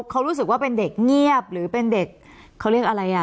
เขารู้สึกว่าเป็นเด็กเงียบหรือเป็นเด็กเขาเรียกอะไรอ่ะ